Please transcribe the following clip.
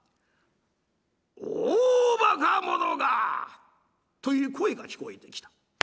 「大ばか者が！」という声が聞こえてきた。